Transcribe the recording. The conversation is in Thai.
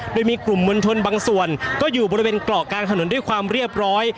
โดยมีกลุ่มมวลชนบางส่วนก็อยู่บริเวณเกาะกลางถนนด้วยความเรียบร้อย